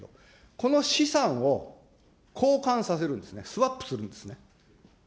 この資産を交換させるんですね、スワップするんですね。